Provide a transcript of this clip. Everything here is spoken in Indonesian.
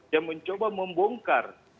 yang mencoba membongkar